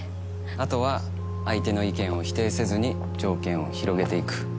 後は相手の意見を否定せずに条件を広げていく。